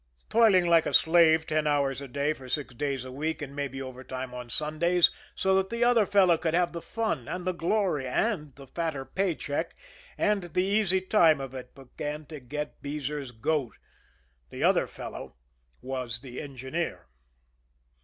Toiling like a slave ten hours a day for six days a week, and maybe overtime on Sundays, so that the other fellow could have the fun, and the glory, and the fatter pay check, and the easy time of it, began to get Beezer's goat. The "other fellow" was the engineer.